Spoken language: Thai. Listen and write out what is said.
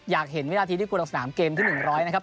อยากเห็นวินาทีที่คุณลงสนามเกมที่๑๐๐นะครับ